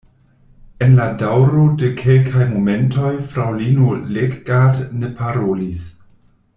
En la daŭro de kelkaj momentoj fraŭlino Leggat ne parolis.